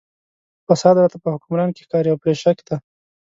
فساد راته په حکمران کې ښکاري او پرې شک دی.